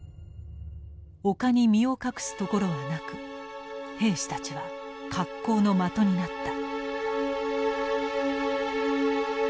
丘に身を隠す所はなく兵士たちは格好の的になった。